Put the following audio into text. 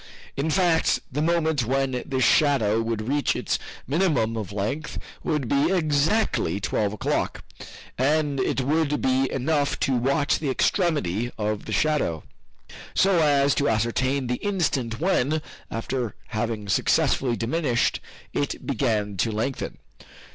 In fact, the moment when this shadow would reach its minimum of length would be exactly twelve o'clock, and it would be enough to watch the extremity of the shadow, so as to ascertain the instant when, after having successively diminished, it began to lengthen.